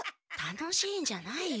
楽しいんじゃないよ。